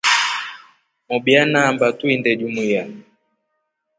Mobya naamba tuinde jumuiya.